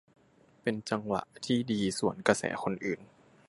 เป็นจังหวะที่ดีสวนกระแสคนอื่น